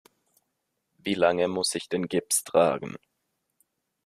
Wie lange muss ich den Gips tragen?